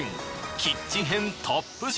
キッチン編トップ６。